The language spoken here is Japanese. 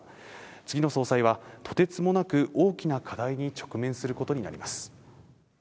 次の総裁は、とてつもなく大きな課題に直面することになります。